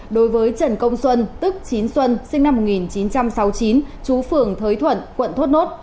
đối với trần công xuân tức chín xuân sinh năm một nghìn chín trăm sáu mươi chín chú phường thới thuận quận thốt nốt